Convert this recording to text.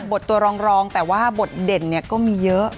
บทตัวรองแต่ว่าบทเด่นก็มีเยอะ